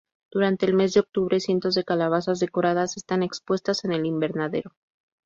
Durante el mes de octubre, cientos de calabazas decoradas están expuestas en el invernadero.